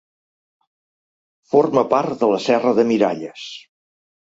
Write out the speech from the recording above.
Forma part de la Serra de Miralles.